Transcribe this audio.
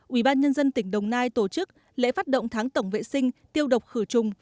ubnd tỉnh đồng nai tổ chức lễ phát động tháng tổng vệ sinh tiêu độc khử trùng